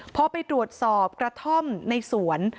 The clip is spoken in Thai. พอไปตรวจสอบกระท่อมในสวน